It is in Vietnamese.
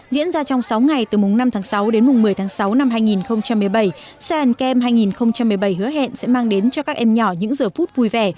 diễn ra trong sáu ngày từ mùng năm tháng sáu đến mùng một mươi tháng sáu năm hai nghìn một mươi bảy sihanem hai nghìn một mươi bảy hứa hẹn sẽ mang đến cho các em nhỏ những giờ phút vui vẻ